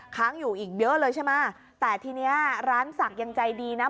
ค้างอยู่อีกเยอะเลยใช่ไหมแต่ทีเนี้ยร้านศักดิ์ยังใจดีนะ